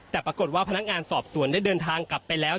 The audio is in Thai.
แต่ปรากฏว่าพนักงานสอบสวนได้เดินทางกลับไปแล้ว